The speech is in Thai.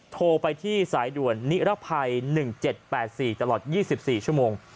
โทรไปที่สายด่วนนิรภัย๑๗๘๔ตลอด๒๔ชั่วโมง